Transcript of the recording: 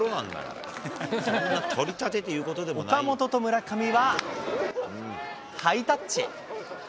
岡本と村上は、ハイタッチ。